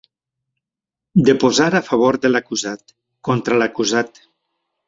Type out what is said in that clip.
Deposar a favor de l'acusat, contra l'acusat.